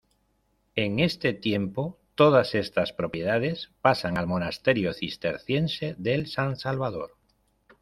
En este tiempo todas estas propiedades pasan al monasterio cisterciense del San Salvador.